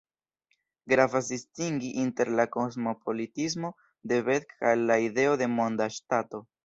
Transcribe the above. Gravas distingi inter la kosmopolitismo de Beck kaj la ideo de monda ŝtato.